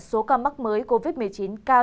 số ca mắc mới covid một mươi chín cao